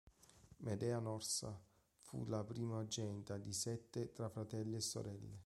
Medea Norsa fu la primogenita di sette tra fratelli e sorelle.